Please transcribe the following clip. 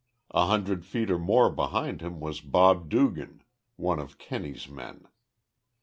A hundred feet or more behind him was Bob Dugan, one of Kenney's men.